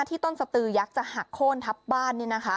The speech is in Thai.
ต้นสตือยักษ์จะหักโค้นทับบ้าน